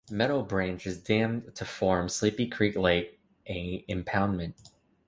Meadow Branch is dammed to form Sleepy Creek Lake, a impoundment.